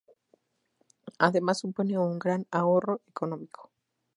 Además supone un gran ahorro económico.